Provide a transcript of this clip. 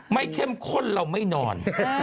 เข้มข้นเราไม่นอน